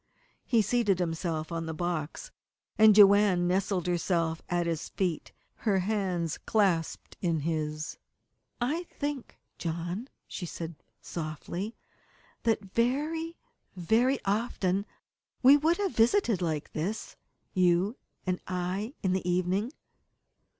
He seated himself on the box, and Joanne nestled herself at his knees, her hands clasped in his. "I think, John," she said softly, "that very, very often we would have visited like this you and I in the evening."